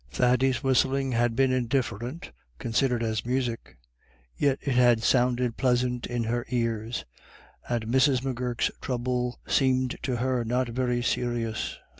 Thady's whistling had been indifferent, considered as music, yet it had sounded pleasant in her ears, and Mrs. M'Gurk's trouble seemed to her not very serious.